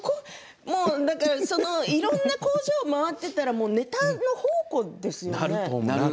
いろいろな工場を回っていたらネタの宝庫ですよね。